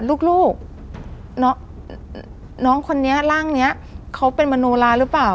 ลูกน้องคนนี้ร่างนี้เขาเป็นมโนลาหรือเปล่า